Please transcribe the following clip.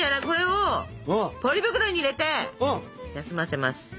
これをポリ袋に入れて休ませます。